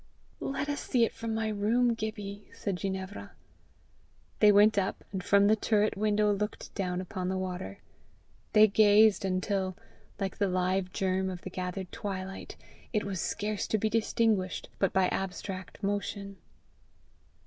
"Let us see it from my room, Gibbie," said Ginevra. They went up, and from the turret window looked down upon the water. They gazed until, like the live germ of the gathered twilight, it was scarce to be distinguished but by abstract motion.